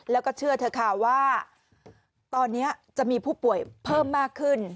แล้วก็เชื่อเถอะค่ะว่าตอนนี้จะมีผู้ป่วยเพิ่มมากขึ้น